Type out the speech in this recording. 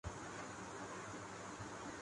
جلد برہم ہو جاتا ہوں